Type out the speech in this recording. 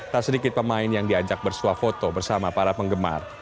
tak sedikit pemain yang diajak bersuah foto bersama para penggemar